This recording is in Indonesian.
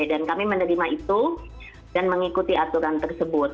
dan kami menerima itu dan mengikuti aturan tersebut